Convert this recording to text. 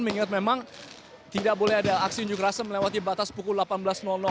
mengingat memang tidak boleh ada aksi unjuk rasa melewati batas pukul delapan belas